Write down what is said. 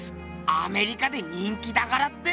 アメリカで人気だからって！